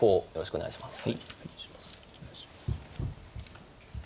お願いします。